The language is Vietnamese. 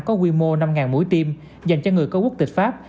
có quy mô năm mũi tiêm dành cho người có quốc tịch pháp